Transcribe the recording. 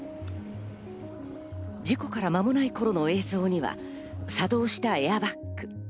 事故から間もない頃の映像には、作動したエアバッグ。